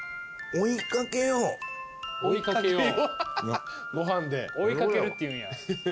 「追いかける」って言うんや。